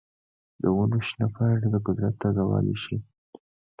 د ونو شنه پاڼې د قدرت تازه والی ښيي.